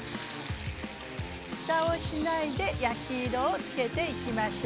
ふたをしないで焼き色をつけていきましょう。